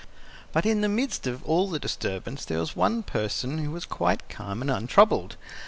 But in the midst of all the disturbance there was one person who was quite calm and untroubled.